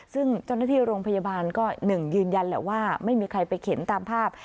ซึ่งเจ้าหน้าที่โรงพยาบาลก็หนึ่งยืนยันแหละว่าไม่มีใครไปเข็นตามภาพ